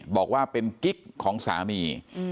บอกว่าเป็นกิ๊กของสามี